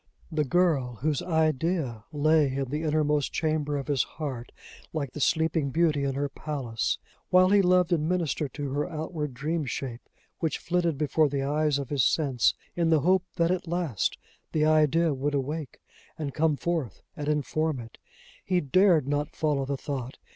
The girl whose Idea lay in the innermost chamber of his heart like the sleeping beauty in her palace! while he loved and ministered to her outward dream shape which flitted before the eyes of his sense, in the hope that at last the Idea would awake, and come forth and inform it! he dared not follow the thought!